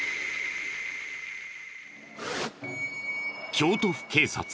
京都府警察